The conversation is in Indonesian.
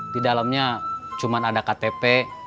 di dalamnya cuma ada ktp